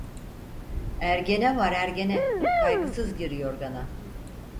Ergene var ergene, kaygısız gir yorgana.